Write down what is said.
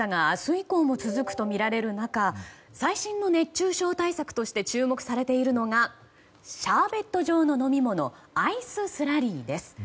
以降も続くとみられる中最新の熱中症対策として注目されているのがシャーベット状の飲み物アイススラリーです。